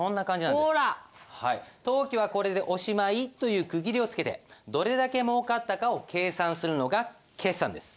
当期はこれでおしまいという区切りをつけてどれだけもうかったかを計算するのが決算です。